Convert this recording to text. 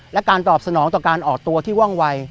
และการตอบสนองต่อการออกตัวที่ว่องวัย